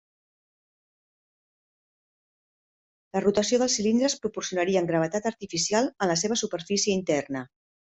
La rotació dels cilindres proporcionarien gravetat artificial en la seva superfície interna.